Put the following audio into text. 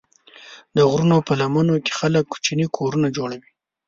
د غرونو په لمنو کې خلک کوچني کورونه جوړوي.